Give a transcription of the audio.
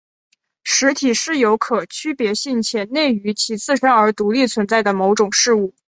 实体是有可区别性且内于其自身而独立存在的某种事物。